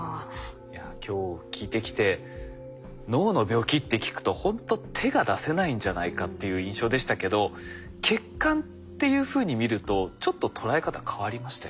いや今日聞いてきて脳の病気って聞くとほんと手が出せないんじゃないかっていう印象でしたけど血管っていうふうに見るとちょっと捉え方変わりましたよね。